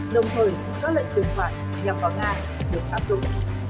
đồng thời các lợi trừng vạn nhằm vào nga được áp dụng